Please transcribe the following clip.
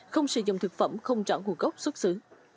không sử dụng thực phẩm không rõ nguồn gốc xuất xứ